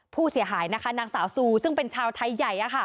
ผู้เสียหายนะคะนางสาวซูซึ่งเป็นชาวไทยใหญ่